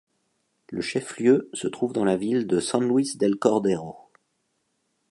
Le chef-lieu se trouve dans la ville de San Luis del Cordero.